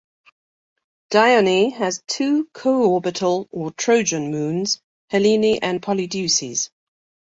Dione has two co-orbital, or trojan, moons, Helene and Polydeuces.